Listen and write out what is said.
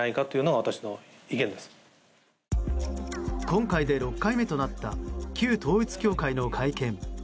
今回で６回目となった旧統一教会の会見。